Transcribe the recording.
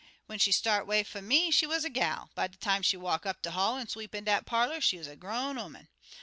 When she start 'way fum me, she wuz a gal. By de time she walk up de hall an' sweep in dat parlor, she wuz a grown 'oman.